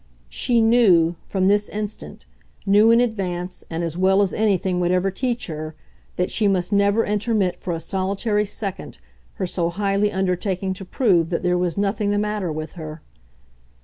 She KNEW, from this instant, knew in advance and as well as anything would ever teach her, that she must never intermit for a solitary second her so highly undertaking to prove that there was nothing the matter with her.